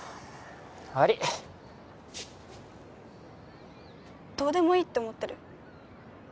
ワリイどうでもいいって思ってる？